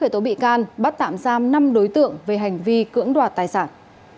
số bị can bắt tạm giam năm đối tượng về hành vi cưỡng đoạt tài sản